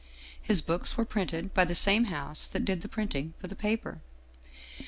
His books were printed by the same house that did the printing for the paper.